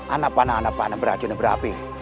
anak panah anak panah beracun dan berapi